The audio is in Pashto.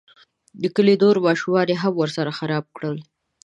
د کلي نور ماشومان یې هم ورسره خراب کړل.